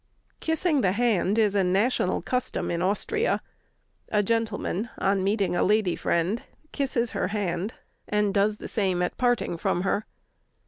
Kissing the hand is a national custom in Austria. A gentleman on meeting a lady friend kisses her hand, and does the same at parting from her.